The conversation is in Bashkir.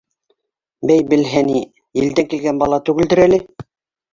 Бәй, белһә ни, елдән килгән бала түгелдер әле?!